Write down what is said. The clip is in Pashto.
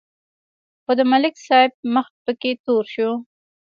خو د ملک صاحب مخ پکې تور شو.